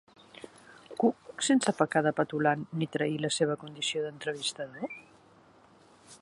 Cook sense pecar de petulant ni trair la seva condició d'entrevistador?